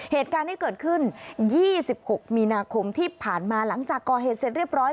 เหตุการณ์ที่เกิดขึ้น๒๖มีนาคมที่ผ่านมาหลังจากก่อเหตุเสร็จเรียบร้อย